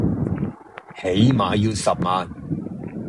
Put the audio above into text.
起碼要十萬